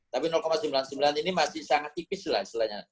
tapi sembilan puluh sembilan ini masih sangat tipis lah istilahnya